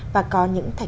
và có những nông nghiệp